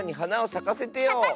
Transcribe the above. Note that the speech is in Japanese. さかせてよ！